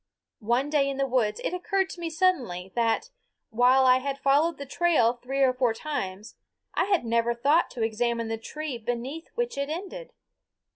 One day in the woods it occurred to me suddenly that, while I had followed the trail three or four times, I had never thought to examine the tree beneath which it ended.